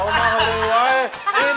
oh kamu mah luar biasa